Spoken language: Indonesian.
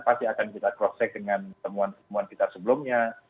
pasti akan kita cross check dengan temuan temuan kita sebelumnya